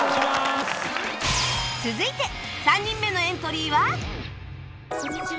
続いて３人目のエントリーは